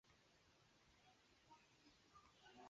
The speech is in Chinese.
酿酒原材料也面临供应困难。